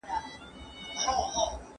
زه بايد مځکي ته وګورم؟